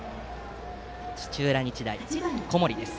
土浦日大、小森です。